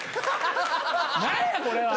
何やこれは！